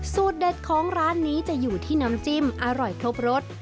เด็ดของร้านนี้จะอยู่ที่น้ำจิ้มอร่อยครบรส